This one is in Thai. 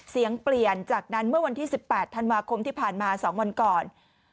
เสียงเปลี่ยนจากนั้นเมื่อวันที่๑๘ธันวาคมที่ผ่านมา๒วันก่อน